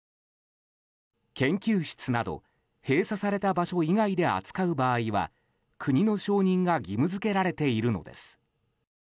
研究室など閉鎖された場所以外で扱う場合は国の承認が義務付けられているのです。